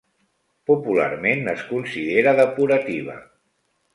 Popularment es considera depurativa.